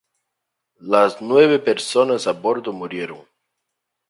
Las nueve personas a bordo murieron.